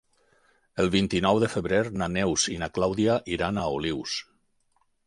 El vint-i-nou de febrer na Neus i na Clàudia iran a Olius.